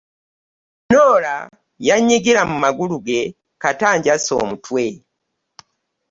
Norah yannyigira mu magulu ge kata anjase omutwe.